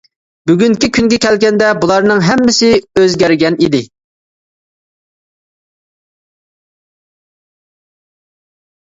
بۈگۈنكى كۈنگە كەلگەندە بۇلارنىڭ ھەممىسى ئۆزگەرگەنىدى.